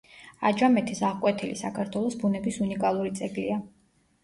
აჯამეთის აღკვეთილი საქართველოს ბუნების უნიკალური ძეგლია.